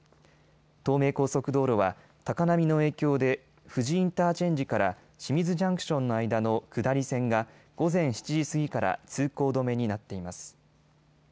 東名高速道路は高波の影響で富士インターチェンジから清水ジャンクションの間の下り線が午前７時過ぎから通行止めになっています。